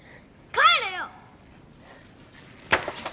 帰れよ！